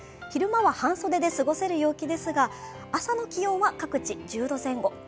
昼間は半袖で過ごせる陽気ですが、朝の気温は各地、１０度前後。